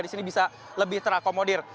disini bisa lebih terakomodir